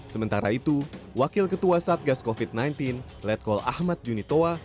sementara itu wakil ketua satgas covid sembilan belas letkol ahmad junitowa